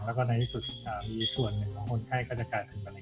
แล้วก็ในที่สุดมีส่วนหนึ่งของคนไข้ก็จะกลายเป็นแบบนี้